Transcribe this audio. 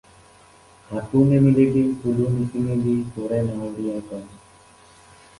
হাতো নেমেলিবি, ফুলো নিছিঙিবি, ক'ৰে নাৱৰীয়া তই।